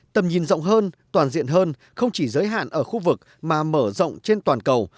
tầm nhìn rộng hơn toàn diện hơn không chỉ giới hạn ở khu vực mà mở rộng trên toàn cầu